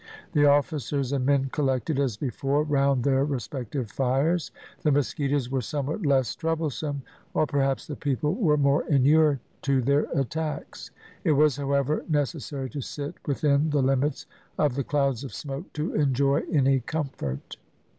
The officers and men collected as before round their respective fires; the mosquitoes were somewhat less troublesome, or perhaps the people were more inured to their attacks. It was, however, necessary to sit within the limits of the clouds of smoke to enjoy any comfort.